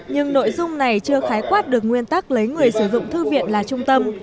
nhưng nội dung này chưa khái quát được nguyên tắc lấy người sử dụng thư viện là trung tâm